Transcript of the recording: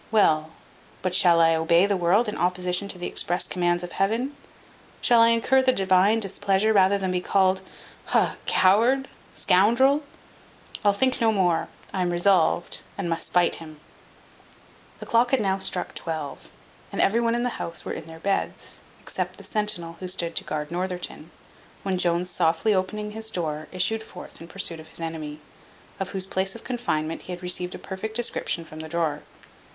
Well, but shall I obey the world in opposition to the express commands of Heaven? Shall I incur the Divine displeasure rather than be called ha coward scoundrel? I'll think no more; I am resolved, and must fight him." The clock had now struck twelve, and every one in the house were in their beds, except the centinel who stood to guard Northerton, when Jones softly opening his door, issued forth in pursuit of his enemy, of whose place of confinement he had received a perfect description from the drawer.